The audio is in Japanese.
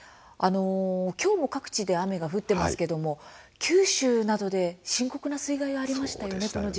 きょうも各地で雨が降っていますけれども九州などで深刻な水害がありましたよね。